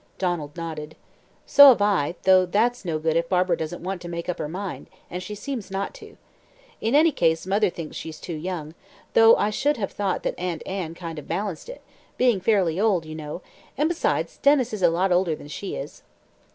Donald nodded. "So have I, though that's no good if Barbara doesn't want to make up her mind, and she seems not to. In any case, mother thinks she's too young, though I should have thought that Aunt Anne kind of balanced it being fairly old, you know; and besides, Denys is a lot older than she is."